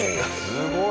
すごい！